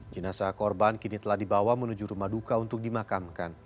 jenazah korban kini telah dibawa menuju rumah duka untuk dimakamkan